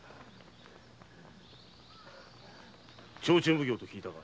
提灯奉行と聞いたが？